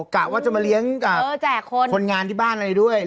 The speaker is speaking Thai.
กะว่าจะมาเลี้ยงกับคนงานที่บ้านอะไรด้วย